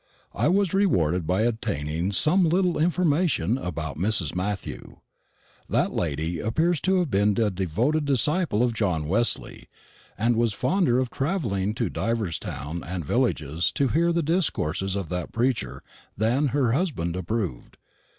I was rewarded by obtaining some little information about Mrs. Matthew. That lady appears to have been a devoted disciple of John Wesley, and was fonder of travelling to divers towns and villages to hear the discourses of that preacher than her husband approved.